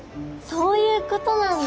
そういうことなんだ。